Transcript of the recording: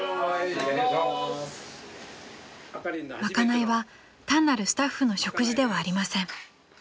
［賄いは単なるスタッフの食事ではありません］